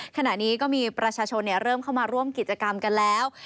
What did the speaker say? ขณะนี้ก็มีประชาชนเริ่มเข้ามาร่วมกิจกรรมกันแล้ว